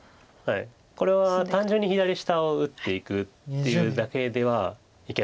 これは単純に左下を打っていくっていうだけではいけないんです。